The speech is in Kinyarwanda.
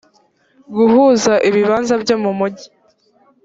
guhuza ibibanza byo mu mujyi